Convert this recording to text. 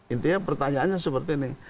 intinya pertanyaannya seperti ini